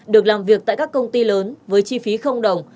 được làm việc tại các công ty lớn với chi phí không đồng